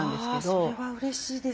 それはうれしいです。